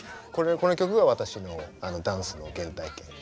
この曲が私のダンスの原体験。